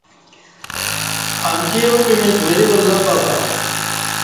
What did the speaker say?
امکی یا پِِمیچ وری ولہ بہ بہ